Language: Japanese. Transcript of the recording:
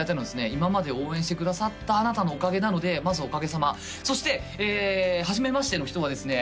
今まで応援してくださったあなたのおかげなのでまずおかげさまそしてはじめましての人はですね